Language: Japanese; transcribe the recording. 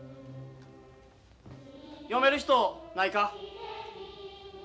読める人ないか？